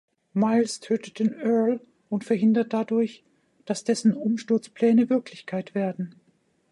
Myles tötet den Earl und verhindert dadurch, dass dessen Umsturzpläne Wirklichkeit werden.